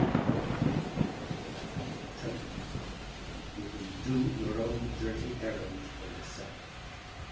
"Sir," said I, trembling a little, "you can do your own dirty errands for yourself."